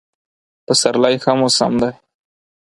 پسرلی ښه موسم دی.